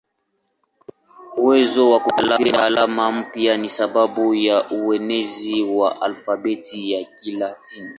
Uwezo wa kupokea alama mpya ni sababu ya uenezi wa alfabeti ya Kilatini.